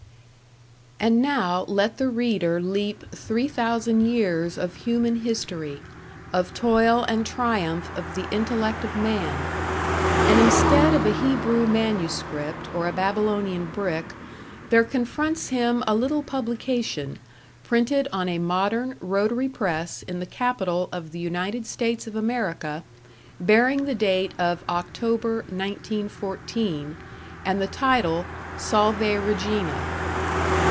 # And now let the reader leap three thousand years of human history, of toil and triumph of the intellect of man; and instead of a Hebrew manuscript or a Babylonian brick there confronts him a little publication, printed on a modern rotary press in the capital of the United States of America, bearing the date of October, 1914, and the title "Salve Regina".